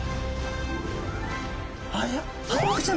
あれ？